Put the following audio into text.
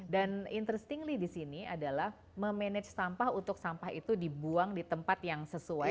dan interestingly disini adalah memanage sampah untuk sampah itu dibuang di tempat yang sesuai